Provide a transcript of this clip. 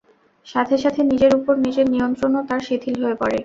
সাথে সাথে নিজের উপর নিজের নিয়ন্ত্রণও তার শিথিল হয়ে পড়ে।